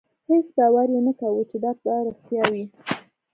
هېڅ باور یې نه کاوه چې دا به رښتیا وي.